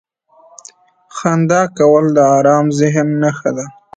• خندا کول د ارام ذهن نښه ده.